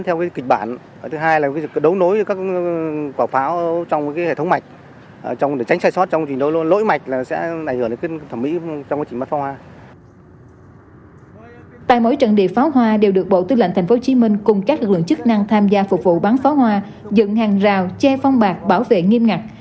tại mỗi trận địa pháo hoa đều được bộ tư lệnh tp hcm cùng các lực lượng chức năng tham gia phục vụ bắn pháo hoa dựng hàng rào che phong bạc bảo vệ nghiêm ngặt